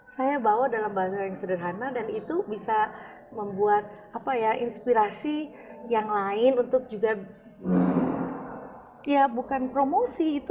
saya bawa dalam bahasa yang sederhana dan itu bisa membuat inspirasi yang lain untuk juga ya bukan promosi itu